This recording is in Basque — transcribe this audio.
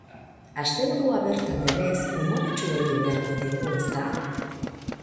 Asteburua bertan denez, umoretsu heldu beharko diogu, ezta?